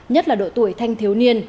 nhất là đội tuổi thanh thiếu niên